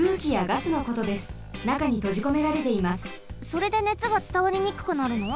それで熱がつたわりにくくなるの？